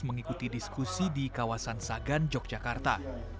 mengikuti diskusi di kawasan sagan yogyakarta